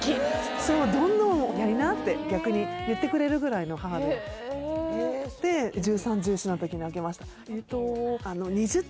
そうどんどんやりなって逆に言ってくれるぐらいの母でで１３１４の時にあけました